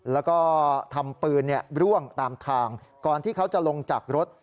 แล้วก็ทำปืนร่วงตามทางก่อนที่เขาจะลงจากรถ